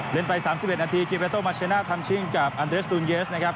เล่นไปสามสิบเอ็ดนาทีมัชเชน่าทำชิงกับอันเดรสตูลเยสนะครับ